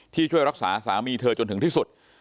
ช่วยรักษาสามีเธอจนถึงที่สุด